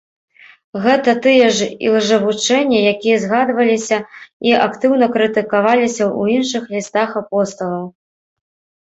Гэта тыя ж ілжэвучэнні, якія згадваліся і актыўна крытыкаваліся ў іншых лістах апосталаў.